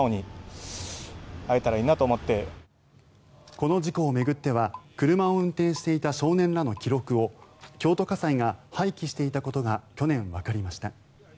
この事故を巡っては車を運転していた少年らの記録を京都家裁が廃棄していたことが去年、わかりました。